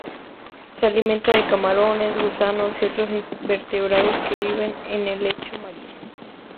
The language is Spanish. Se alimenta de camarones, gusanos y otros invertebrados que viven en el lecho marino.